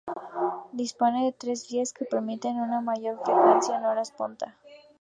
Dispone de tres vías, que permiten una mayor frecuencia en horas punta.